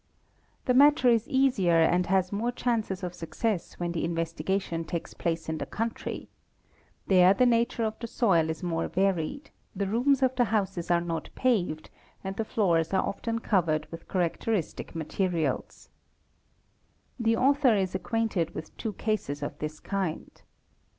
welll The matter is easier and has more chances of success when the investigation takes place in the country; there the nature of the soil is more varied; the rooms of the houses are not paved and the floors are often covered with characteristic materials. The author is acquainted with two cases of this kind.